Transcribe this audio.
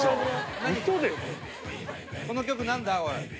この曲何だおい。